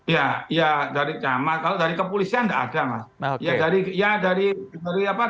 ya ya dari camat kalau dari kepolisian tidak ada mas